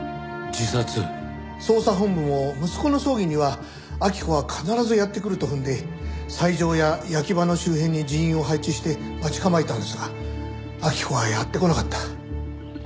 捜査本部も息子の葬儀には明子は必ずやって来ると踏んで斎場や焼き場の周辺に人員を配置して待ち構えたんですが明子はやって来なかった。